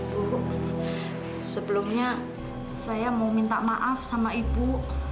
bu sebelumnya saya mau minta maaf sama ibu